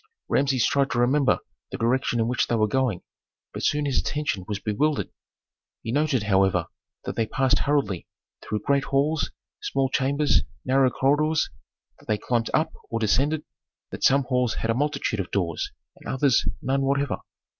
Rameses tried to remember the direction in which they were going, but soon his attention was bewildered. He noted, however, that they passed hurriedly through great halls, small chambers, narrow corridors, that they climbed up or descended, that some halls had a multitude of doors and others none whatever.